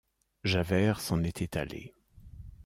Javert s’en était allé.